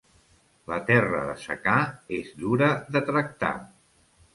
La terra de secà és dura de tractar.